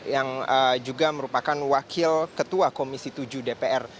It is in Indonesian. yang juga merupakan wakil ketua komisi tujuh dpr